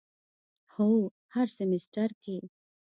هو، هر سیمیستر کی